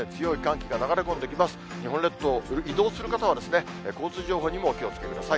日本列島、移動する方は、交通情報にもお気をつけください。